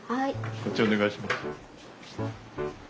こっちお願いします。